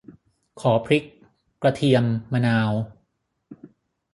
ขอพริก กระเทียม มะนาว